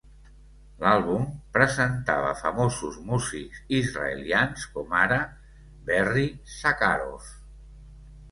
L'àlbum presentava famosos músics israelians com ara Berry Sakharof.